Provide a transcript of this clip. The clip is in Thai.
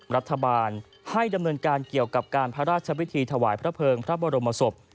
รัฐบาลให้ดำเนินการเกี่ยวกับการพระราชวิธีถวายพระเภิงพระบรมศพ